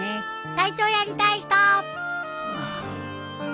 隊長やりたい人？